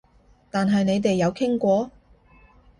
但係你哋有傾過？